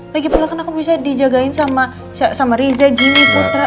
lagi pahalakan aku bisa dijagain sama riza jimmy putra